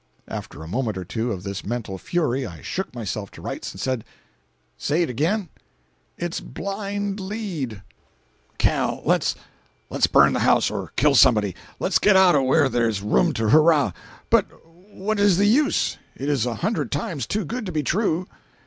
After a moment or two of this mental fury, I shook myself to rights, and said: "Say it again!" "It's blind lead!" "Cal. let's—let's burn the house—or kill somebody! Let's get out where there's room to hurrah! But what is the use? It is a hundred times too good to be true."